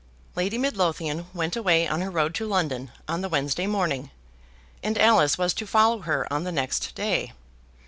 Lady Midlothian went away on her road to London on the Wednesday morning, and Alice was to follow her on the next day.